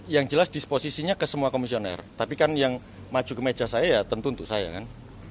yang jelas disposisinya ke semua komisioner tapi kan yang maju ke meja saya ya tentu untuk saya kan